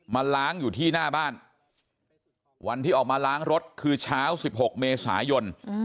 มาล้างอยู่ที่หน้าบ้านวันที่ออกมาล้างรถคือเช้า๑๖เมษายน